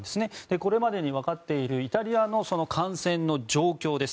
これまでに分かっているイタリアの感染の状況です。